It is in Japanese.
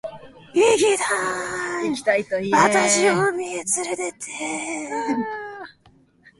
いぎだい！！！！